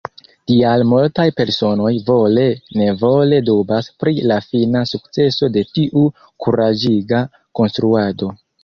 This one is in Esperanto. Tial multaj personoj vole-nevole dubas pri la fina sukceso de tiu kuraĝiga konstruado.